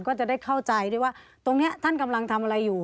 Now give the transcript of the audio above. ก็จะได้เข้าใจได้ว่าตรงนี้ท่านกำลังทำอะไรอยู่